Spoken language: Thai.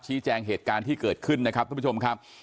แจ้งเหตุการณ์ที่เกิดขึ้นนะครับทุกผู้ชมครับ